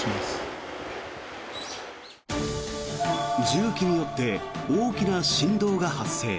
重機によって大きな振動が発生。